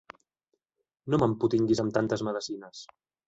No m'empotinguis amb tantes medecines!